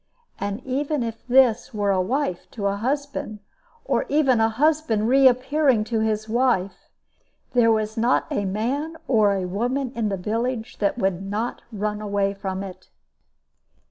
And even if this were a wife to a husband, or even a husband reappearing to his wife, there was not a man or a woman in the village that would not run away from it.